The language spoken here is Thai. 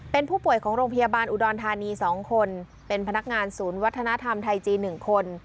เป็นผู้ป่วยของโรงพยาบาลอุดรธานี๒คนเป็นพนักงานศูนย์วัฒนธรรมไทยจีน๑คน